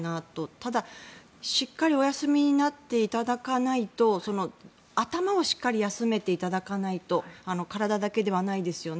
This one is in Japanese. ただ、しっかりお休みになっていただかないと頭をしっかり休めていただかないと体だけではないですよね。